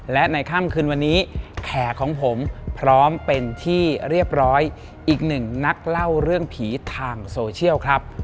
และในค่ำคืนวันนี้แขกของผมพร้อมเป็นที่เรียบร้อยอีกหนึ่งนักเล่าเรื่องผีทางโซเชียลครับ